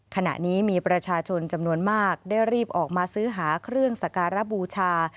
ขณะนี้มีประชาชนจำนวนมากได้รีบออกมาซื้อหาเครื่องสการบูชา